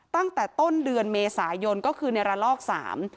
ตั้งแต่ต้นเดือนเมษายนก็คือในระลอกสาม